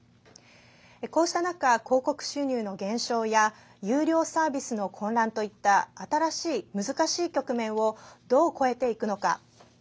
こうした中、広告収入の減少や有料サービスの混乱といった難しい局面をどう越えていくのか。